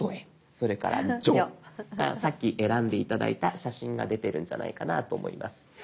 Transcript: それから「じょ」さっき選んで頂いた写真が出てるんじゃないかなと思います。